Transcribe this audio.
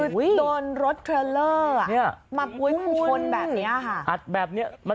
โถโยนรถเคล็อลเลอร์มาลุ้มชนแบบนี้อ่ะค่ะ